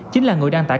chính là người đăng tải